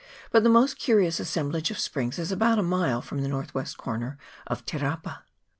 but the most curious assemblage of springs is about a mile from the north west corner of Te rapa.